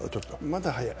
まだ早い。